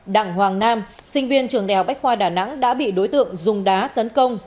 đảng hoàng nam sinh viên trường đèo bách khoa đà nẵng đã bị đối tượng dùng đá tấn công